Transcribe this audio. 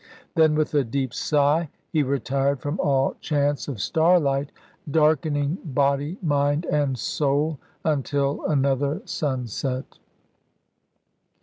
Then with a deep sigh he retired from all chance of starlight, darkening body, mind, and soul, until another sunset.